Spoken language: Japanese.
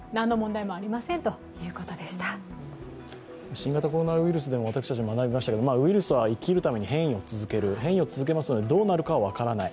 新型コロナウイルスでも私たち学びましたけどウイルスは生きるために変異を続ける、変異を続けますので、どうなるか分からない。